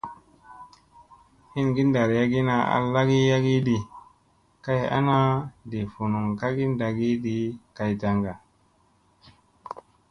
Hingi tagi a ɗarayagina lagii yagii di kay ana ,kay ana li vunun kagi ɗagii kay tanga.